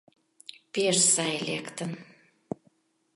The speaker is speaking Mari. — Пеш сай лектын.